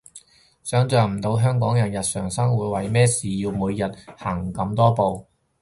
想像唔到香港人日常生活為咩事要每日行咁多步